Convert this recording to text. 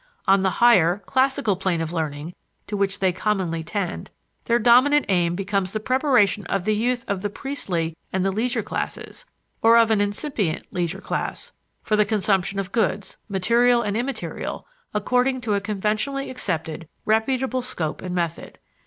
On the higher, classical plane of learning to which they commonly tend, their dominant aim becomes the preparation of the youth of the priestly and the leisure classes or of an incipient leisure class for the consumption of goods, material and immaterial, according to a conventionally accepted, reputable scope and method.